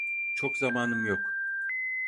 Çok zamanım yok.